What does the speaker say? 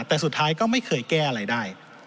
แต่สุดท้ายก็ไม่เคยแก้อะไรได้